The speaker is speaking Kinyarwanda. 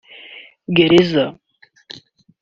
gereza